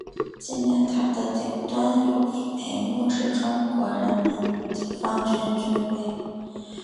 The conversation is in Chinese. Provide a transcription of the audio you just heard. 纪念塔的顶端有一枚木质中国人民解放军军徽。